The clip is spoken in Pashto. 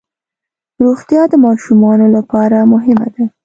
روغتیا د ماشومانو لپاره مهمه ده.